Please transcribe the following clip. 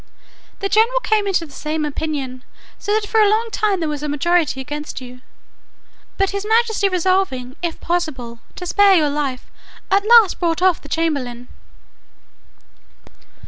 The general came into the same opinion; so that for a long time there was a majority against you; but his majesty resolving, if possible, to spare your life, at last brought off the chamberlain.